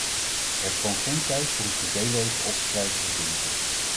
Er is gewoon geen tijd voor een privé-leven of het krijgen van kinderen.